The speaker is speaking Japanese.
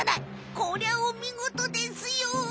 こりゃおみごとですよ！